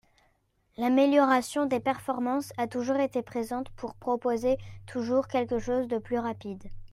L’amélioration des performances a toujours été présente, pour proposer toujours quelque chose de plus rapide.